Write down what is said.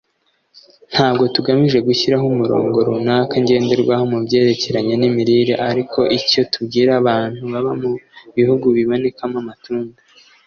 ntabwo tugamije gushyiraho umurongo runaka ngenderwaho mu byerekeranye n'imirire; ariko icyo tubwira abantu baba mu bihugu bibonekamo amatunda